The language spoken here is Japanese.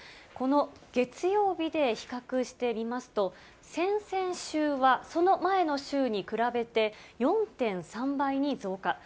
この月曜日で比較してみますと、先々週は、その前の週に比べて４．３倍に増加。